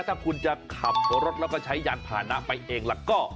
ถ้าคุณจะขับรถแล้วก็ใช้ยานพานะไปเองล่ะก็